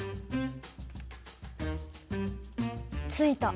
ついた。